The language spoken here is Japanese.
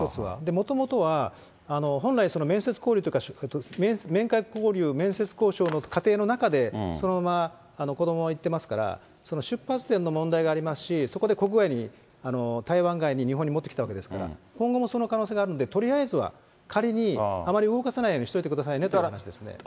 もともとは、本来、面接交流とか、面会交流、面接交渉の過程の中で、そのまま子どもは行ってますから、その出発点の問題がありますし、そこで国外に、台湾外に日本に持ってきたわけですから、今後もその可能性があるんで、とりあえずは、仮にあまり動かさないようにしておいてくださいねという話ですね。